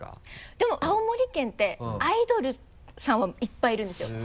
でも青森県ってアイドルさんはいっぱいいるんですよ。